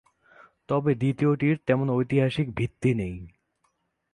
তবে দ্বিতীয়টির তেমন ঐতিহাসিক ভিত্তি নেই।